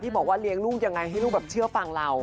บอกว่าเลี้ยงลูกยังไงให้ลูกแบบเชื่อฟังเรา